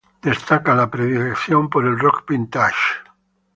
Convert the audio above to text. Destaca la predilección por el "rock vintage".